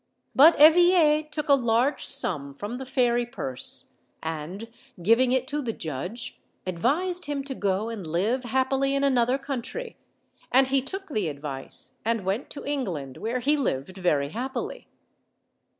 But Eveille took a large sum from the fairy purse, and, giving it to the judge, advised him to go and live happily in another country, and he took the advice and went to England, where he lived very happily.